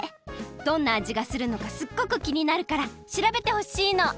どんなあじがするのかすっごくきになるから調べてほしいの！